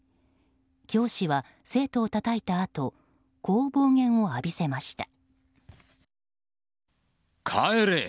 教師は、生徒をたたいたあとこう暴言を浴びせました。